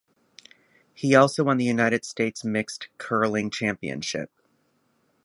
He also won the United States Mixed Curling Championship.